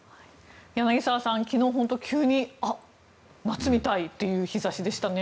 柳澤さん、昨日本当に急にあっ、夏みたいっていう日差しでしたね。